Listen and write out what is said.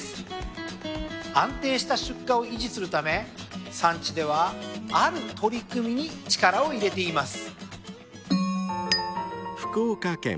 安定した出荷を維持するため産地ではある取り組みに力を入れています。